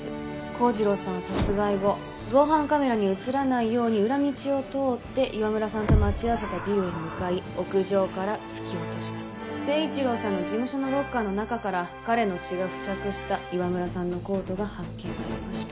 幸次郎さんを殺害後防犯カメラに写らないように裏道を通って岩村さんと待ち合わせたビルに向かい屋上から突き落とした政一郎さんの事務所のロッカーの中から彼の血が付着した岩村さんのコートが発見されました